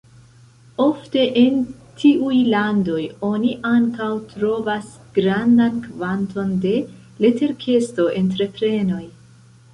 Ofte en tiuj landoj oni ankaŭ trovas grandan kvanton de leterkesto-entreprenoj.